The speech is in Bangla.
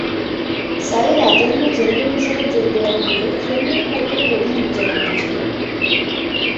সাঈদ অ্যাটর্নি জেনারেল হিসেবে যোগ দেওয়ার পূর্বে ক্রিমিনাল কোর্টের প্রধান বিচারপতি ছিলেন।